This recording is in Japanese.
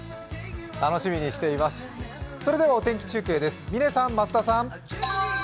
楽しみにしています、それではお天気中継です。